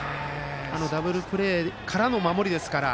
ダブルプレーからの守りですから。